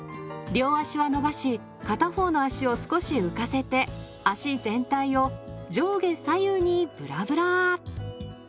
両足は伸ばし片方の足を少し浮かせて足全体を上下左右にぶらぶら。